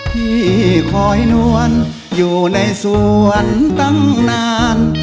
ที่คอยนวลอยู่ในสวนตั้งนาน